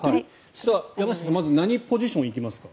ヤマシタさん、まず何ポジションに行きますか？